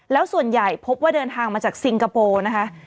แล้วส่วนใหญ่พบว่าเดินทางมาจากซิงคโปร์นะคะ